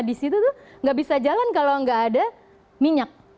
di situ tuh nggak bisa jalan kalau nggak ada minyak